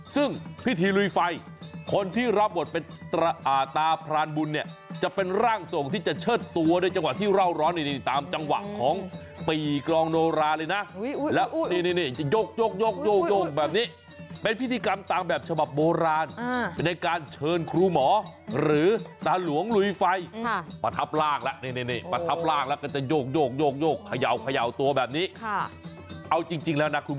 ซึ่งพิธีลุยไฟคนที่รับบทเป็นอาตาพรานบุญเนี่ย